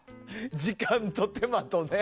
時間と手間とね。